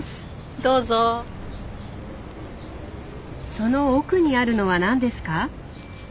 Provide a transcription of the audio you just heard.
その奥にあるのは何ですか？